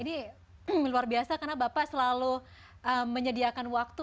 ini luar biasa karena bapak selalu menyediakan waktu